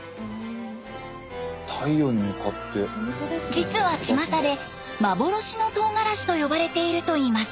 実はちまたで幻のとうがらしと呼ばれているといいます。